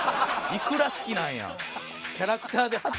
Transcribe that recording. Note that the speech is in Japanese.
いくら好きなんや。